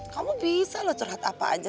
kamu bisa loh curhat apa aja